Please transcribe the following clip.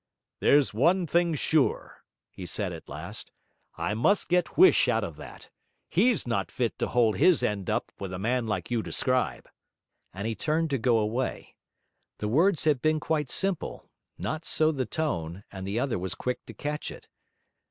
'There's one thing sure,' he said at last. 'I must get Huish out of that. HE'S not fit to hold his end up with a man like you describe.' And he turned to go away. The words had been quite simple; not so the tone; and the other was quick to catch it.